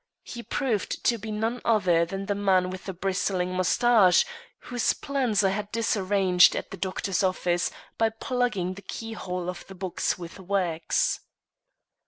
He proved to be none other than the man with the bristling mustache whose plans I had disarranged at the doctor's office by plugging the keyhole of the box with wax.